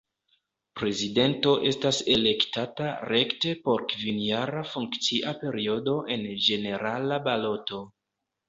Prezidento estas elektata rekte por kvinjara funkcia periodo en ĝenerala baloto.